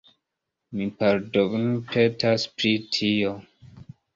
Mi pardonpetas pri tio.